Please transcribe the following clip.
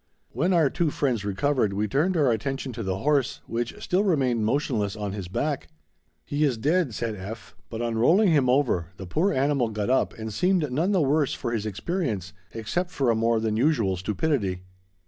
When our two friends recovered, we turned our attention to the horse, which still remained motionless on his back. "He is dead," said F., but, on rolling him over, the poor animal got up and seemed none the worse for his experience, except for a more than usual stupidity.